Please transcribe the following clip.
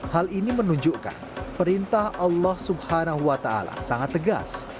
hal ini menunjukkan perintah allah swt sangat tegas